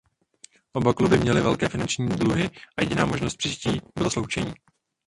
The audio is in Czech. Oba kluby měli velké finanční dluhy a jediná možnost přežití bylo sloučení.